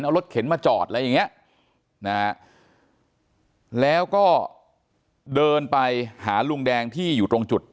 เอารถเข็นมาจอดอะไรอย่างเงี้ยนะฮะแล้วก็เดินไปหาลุงแดงที่อยู่ตรงจุด